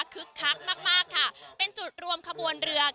คักมากมากค่ะเป็นจุดรวมขบวนเรือ